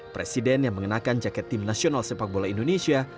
presiden yang mengenakan jaket tim nasional sepak bola indonesia